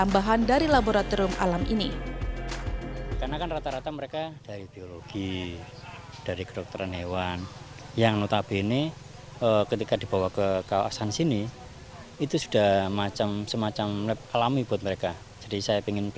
tambahan dari laboratorium alam ini